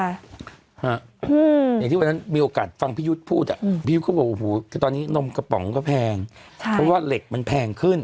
อย่างที่วันนั้นมีโอกาสฟังพี่ยุทธ์พูดอ่ะพี่ยุทธ์เขาบอกโอ้โหตอนนี้นมกระป๋องก็แพงเพราะว่าเหล็กมันแพงขึ้น